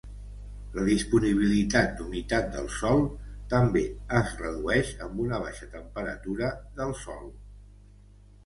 La disponibilitat d'humitat del sòl també es redueix amb una baixa temperatura del sòl.